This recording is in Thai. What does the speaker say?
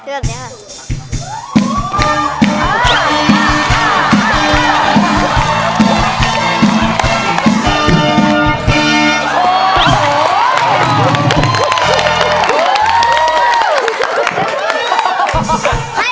เตือนเนี่ย